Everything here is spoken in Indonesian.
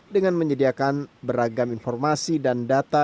dengan menyediakan beragam informasi dan data